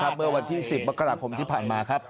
เมื่อวันที่๑๐มกราคมที่ผ่านมาครับ